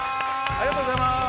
ありがとうございます。